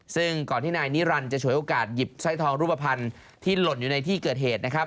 ซึ่งก่อนที่นายนิรันดิ์จะฉวยโอกาสหยิบสร้อยทองรูปภัณฑ์ที่หล่นอยู่ในที่เกิดเหตุนะครับ